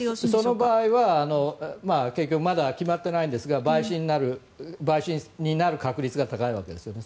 その場合は結局まだ決まってないんですが陪審になる確率が高いわけですよね。